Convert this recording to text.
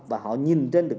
và họ nhìn trên được